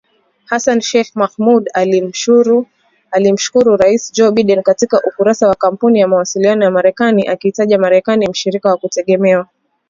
Hassan Sheikh Mohamud alimshukuru Rais Joe Biden katika ukurasa wa Kampuni ya mawasiliano ya Marekani akiitaja Marekani mshirika wa kutegemewa.